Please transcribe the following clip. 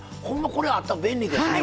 これあったら便利ですね。